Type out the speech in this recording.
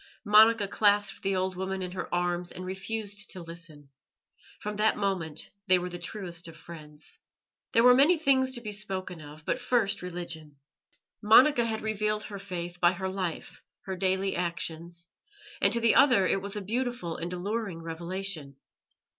Monica clasped the old woman in her arms and refused to listen. From that moment they were the truest of friends. There were many things to be spoken of, but first religion. Monica had revealed her Faith by her life, her daily actions, and to the other it was a beautiful and alluring revelation.